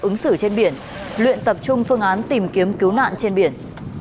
ứng xử trên biển luyện tập trung phương án tìm kiếm cứu nạn trên biển